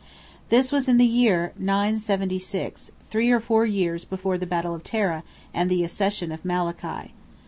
This was in the year 976, three or four years before the battle of Tara and the accession of Malachy.